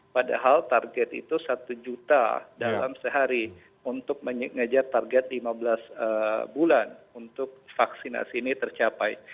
padahal target itu satu juta dalam sehari untuk mengejar target lima belas bulan untuk vaksinasi ini tercapai